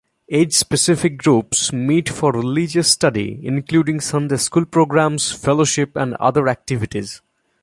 Age-specific groups meet for religious study including Sunday school programs, fellowship, and other activities.